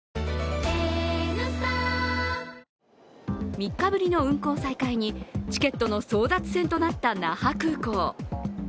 ３日ぶりの運航再開にチケットの争奪戦となった那覇空港。